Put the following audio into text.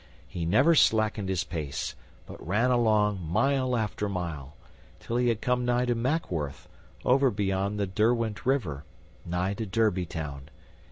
He never slackened his pace, but ran along, mile after mile, till he had come nigh to Mackworth, over beyond the Derwent River, nigh to Derby Town.